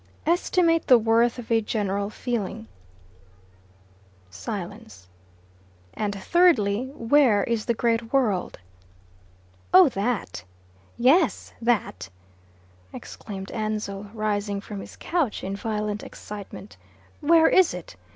"Estimate the worth of a general feeling." Silence. "And thirdly, where is the great world?" "Oh that !" "Yes. That," exclaimed Ansell, rising from his couch in violent excitement. "Where is it?